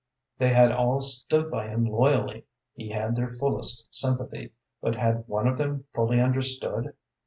They had all stood by him loyally; he had their fullest sympathy; but had one of them fully understood?